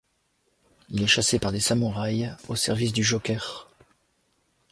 Il y est chassé par des samouraïs au service du Joker.